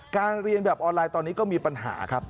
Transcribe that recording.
เรียนแบบออนไลน์ตอนนี้ก็มีปัญหาครับ